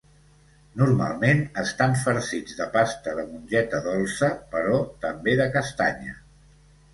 Normalment estan farcits de pasta de mongeta dolça, però també de castanya.